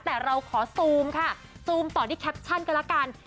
แต่เราขอซูมค่ะซูมต่อที่แคปชั่นก็แล้วกัน